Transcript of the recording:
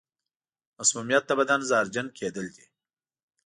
مسمومیت د بدن زهرجن کېدل دي.